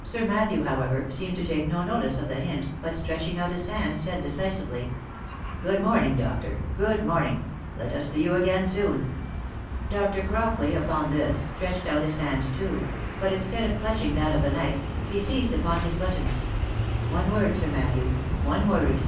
Sir Matthew, however, seemed to take no notice of the hint, but stretching out his hand said decisively, " Good morning, doctor, good morning. Let us see you again soon." Dr. Crockley upon this stretched out his hand too, but instead of clutching that of the knight, he seized upon his button. " One word, Sir Matthew, one word.